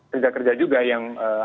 kerja kerja juga yang